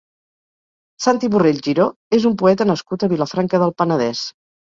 Santi Borrell Giró és un poeta nascut a Vilafranca del Penedès.